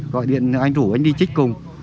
gọi điện anh rủ anh đi trích cùng